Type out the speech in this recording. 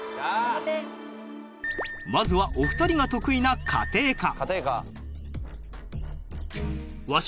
まずはお二人が得意な家庭科。